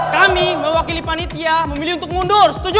kami mewakili panitia memilih untuk mundur setuju